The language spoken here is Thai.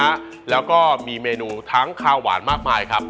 ตรงนี้ก็มีเมนูทั้งคาวหวานมากมายครับ